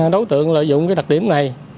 đấu tượng lợi dụng cái đặc điểm này